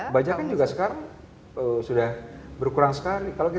bajakan juga sekarang sudah berkurang sekali